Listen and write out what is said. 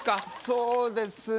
そうですね